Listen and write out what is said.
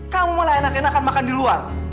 kamu malah enakan enakan makan di luar